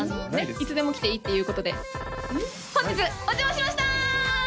いつでも来ていいっていうことで本日お邪魔しました！